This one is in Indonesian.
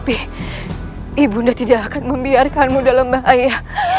ibu tidak akan membiarkanmu dalam bahaya